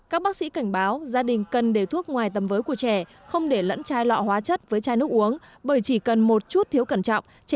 các bác sĩ cảnh báo gia đình cần đề thuốc ngoài tầm với của trẻ không để lẫn chai lọ hóa chất với chai nước uống